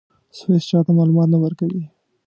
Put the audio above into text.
سویس چا ته معلومات نه ورکوي.